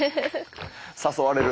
誘われる。